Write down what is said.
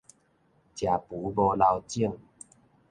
食匏無留種